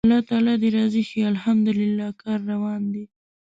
الله تعالی دې راضي شي، الحمدلله کار روان دی.